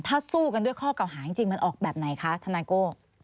ถ้าสู้กันด้วยข้อเก่าหาจริงมันออกแบบไหนคะทนายโก้